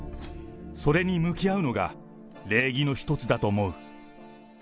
それに向き合うのが礼儀の一つだと思う。